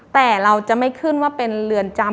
แต่เราจะไม่ขึ้นว่าเป็นเรือนจำ